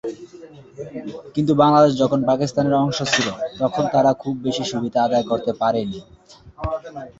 কিন্তু বাংলাদেশ যখন পাকিস্তানের অংশ ছিলো, তখন তারা খুব বেশি সুবিধা আদায় করতে পারে নি।